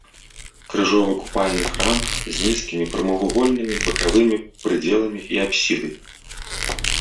Крыжова-купальны храм з нізкімі прамавугольнымі бакавымі прыдзеламі і апсідай.